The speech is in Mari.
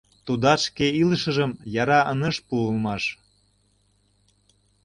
Тудат шке илышыжым яра ынеж пу улмаш.